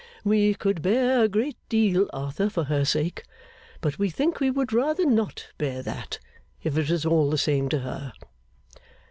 We could bear a great deal, Arthur, for her sake; but we think we would rather not bear that, if it was all the same to her.